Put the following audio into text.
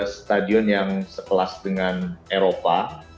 stadion yang sekelas dengan eropa